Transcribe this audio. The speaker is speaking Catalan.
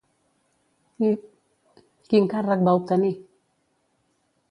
Quin càrrec va obtenir?